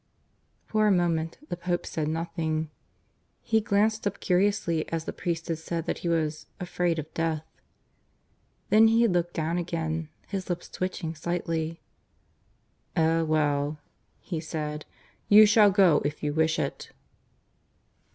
For a moment the Pope said nothing. He had glanced up curiously as the priest had said that he was "afraid of death." Then he had looked down again, his lips twitching slightly. "Eh well," he said. "You shall go if you wish it."